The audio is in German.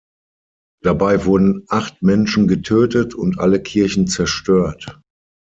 Dabei wurden acht Menschen getötet und alle Kirchen zerstört.